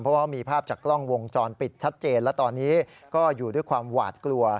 เพราะว่ามีภาพจากกล้องวงจรปิดชัดเจนและตอนนี้ก็อยู่ด้วยความหวาดกลัว